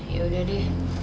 ya udah deh